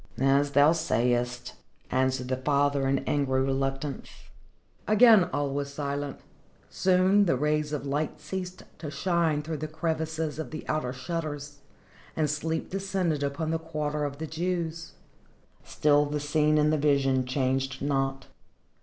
"As though sayest," answered the father in angry reluctance. Again all was silent. Soon the rays of light ceased to shine through the crevices of the outer shutters, and sleep descended upon the quarter of the Jews. Still the scene in the vision changed not.